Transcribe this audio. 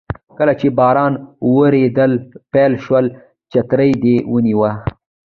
کله چې باران وریدل پیل شول چترۍ دې ونیوه.